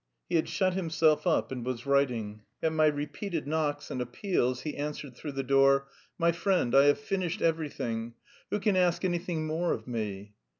He had shut himself up and was writing. At my repeated knocks and appeals he answered through the door: "My friend, I have finished everything. Who can ask anything more of me?"